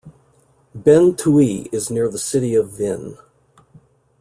Ben Thuy is near the city of Vinh.